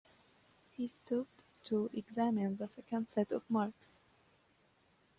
He stooped to examine the second set of marks.